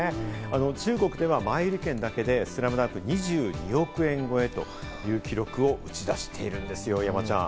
中国では前売り券だけで『ＳＬＡＭＤＵＮＫ』２２億円超えという記録を打ち出しているんですよ、山ちゃん。